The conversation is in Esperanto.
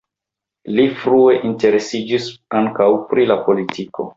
Li frue interesiĝis ankaŭ pri la politiko.